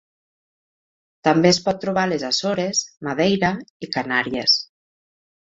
També es pot trobar a les Açores, Madeira i Canàries.